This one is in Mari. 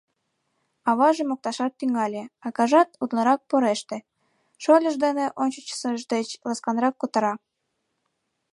Аваже мокташат тӱҥале, акажат утларак пореште, шольыж дене ончычсыж деч ласканрак кутыра.